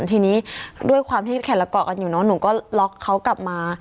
ทีนี้ด้วยความที่แขนละเกาะกันอยู่เนอะหนูก็ล็อกเขากลับมา